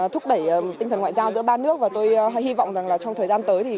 thúc đẩy tinh thần ngoại giao giữa ba nước và tôi hy vọng trong thời gian tới